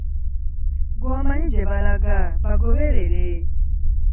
Ggwe omanyi gye balaga bagoberere.